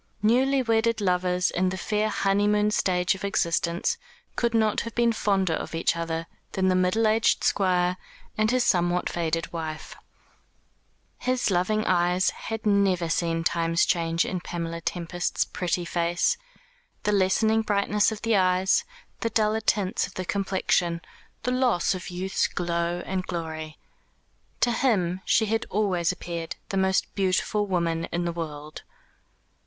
Newly wedded lovers in the fair honeymoon stage of existence could not have been fonder of each other than the middle aged Squire and his somewhat faded wife. His loving eyes had never seen Time's changes in Pamela Tempest's pretty face, the lessening brightness of the eyes, the duller tints of the complexion, the loss of youth's glow and glory. To him she had always appeared the most beautiful woman in the world.